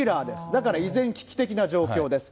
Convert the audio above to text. だから依然、危機的な状況です。